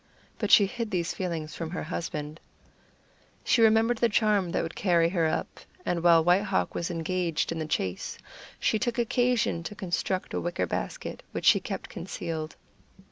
But she hid these feelings from her husband. She remembered the charm that would carry her up, and while White Hawk was engaged in the chase, she took occasion to construct a wicker basket, which she kept concealed.